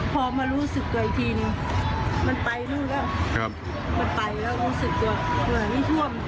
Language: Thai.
พอมารู้สึกตัวอีกทีนึงมันไปแล้วรู้สึกเหมือนไม่ท่วมตัวเลย